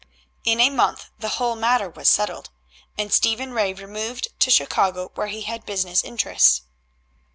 In a month the whole matter was settled, and Stephen Ray removed to Chicago, where he had business interests.